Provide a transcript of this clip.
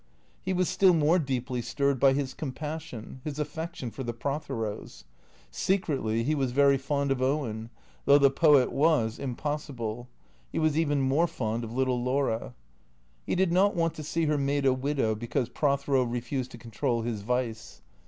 He was still more deeply stirred by his compassion, his affec tion for the Protheros. Secretly, he was very fond of Owen, though the poet was impossible ; he was even more fond of little Laura. He did not want to see her made a widow because Prothero refused to control his vice.